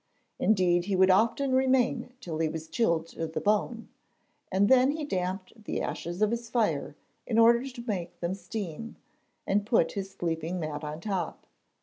Indeed, he would often remain in till he was chilled to the bone, and then he damped the ashes of his fire in order to make them steam, and put his sleeping mat on top.